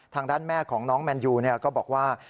ทางด้านแม่ของน้องแมนยูก็บอกว่า